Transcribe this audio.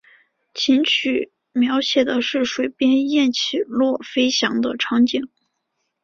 琴曲描写的是水边雁起落飞翔的场景。